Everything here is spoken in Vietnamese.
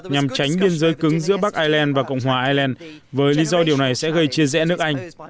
nhằm tránh biên giới cứng giữa bắc ireland và cộng hòa ireland với lý do điều này sẽ gây chia rẽ nước anh